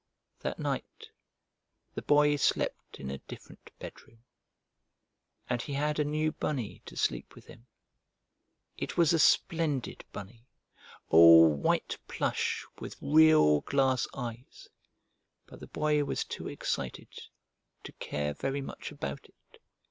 That night the Boy slept in a different bedroom, and he had a new bunny to sleep with him. It was a splendid bunny, all white plush with real glass eyes, but the Boy was too excited to care very much about it.